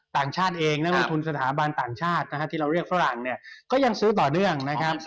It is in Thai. ต่างชาติเองทุนสถาบันต่างชาติที่เราเรียกฝรั่งก็ยังซื้อต่อเนื่อง